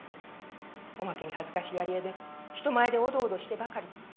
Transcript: おまけに恥ずかしがり屋で人前でおどおどしてばかり。